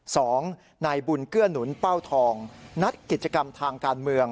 สองนายบุญเกื้อหนุนเป้าทองนัดกิจกรรมทางการเมือง